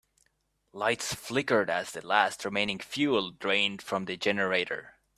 Lights flickered as the last remaining fuel drained from the generator.